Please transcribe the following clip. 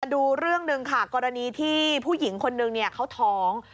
ดูเรื่องหนึ่งค่ะกรณีที่ผู้หญิงคนนึงเขาท้อง